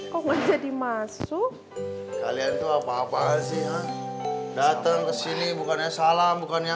kok jadi masuk kalian tuh apa apa sih datang kesini bukannya salam bukannya